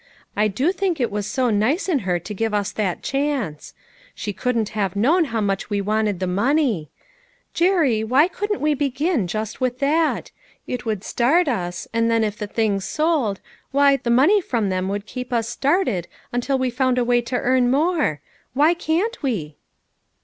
I do think it was so nice in her to give us that chance ! She couldn't have known how mue. we wanted the money. Jerry, why couldn't we begin, just with that? It would start us, and then if the things sold, why, the money from, them would keep us started until we found a way to earn more. Why can't we